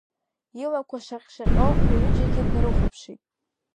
Илақәа шаҟь-шаҟьо рҩыџьагьы днарыхәаԥшит.